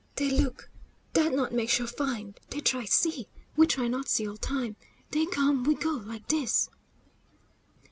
"Dey look, dat not make sure find. Dey try see; we try not see all time. Dey come, we go, like dis!"